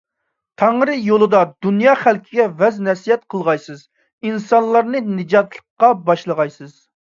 تەڭرى يولىدا دۇنيا خەلقىگە ۋەز - نەسىھەت قىلغايسىز، ئىنسانلارنى نىجاتلىققا باشلىغايسىز.